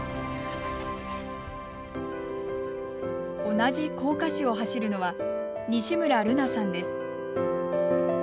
同じ甲賀市を走るのは西村瑠夏さんです。